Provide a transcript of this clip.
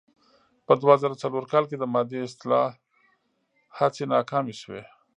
په دوه زره څلور کال کې د مادې اصلاح هڅې ناکامې شوې.